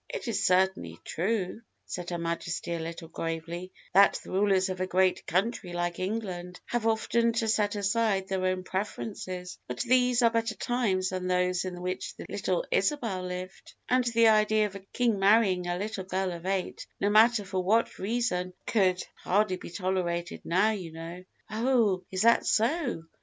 "It is certainly true," said Her Majesty a little gravely, "that the rulers of a great country like England have often to set aside their own preferences; but these are better times than those in which the little Isabel lived, and the idea of a king marrying a little girl of eight, no matter for what reason, would hardly be tolerated now, you know." "Oh, is that so?"